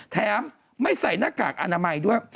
ไม่ใส่หน้ากากอนามัยด้วย